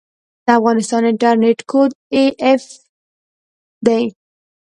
د افغانستان انټرنیټ کوډ af دی